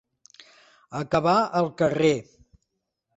Acabar al carrer.